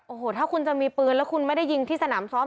โอ้โหถ้าคุณจะมีปืนแล้วคุณไม่ได้ยิงที่สนามซ้อม